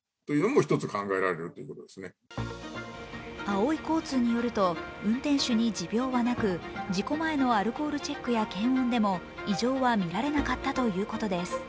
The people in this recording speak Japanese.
あおい交通によると、運転手に持病はなく事故前のアルコールチェックや検温でも異常は、みられなかったということです。